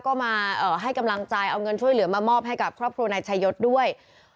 ก็มาให้กำลังใจเอาเงินช่วยเหลือมามอบให้กับครอบครัวนายชายศด้วย